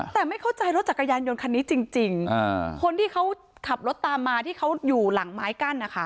แต่ไม่เข้าใจรถจักรยานยนต์คันนี้จริงคนที่เขาขับรถตามมาที่เขาอยู่หลังไม้กั้นนะคะ